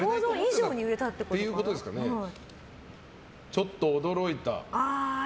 ちょっと驚いたと。